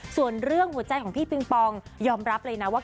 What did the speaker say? ส่วนเรื่องหัวใจของพี่ปิงปองยอมรับเลยนะว่า